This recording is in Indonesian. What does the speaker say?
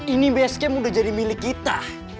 ini bsk udah jadi milik kita